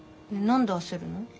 何で焦るの？